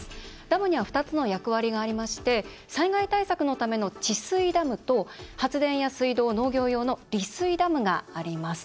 ダムには２つの役割がありまして災害対策のための「治水ダム」と発電や水道、農業用の「利水ダム」があります。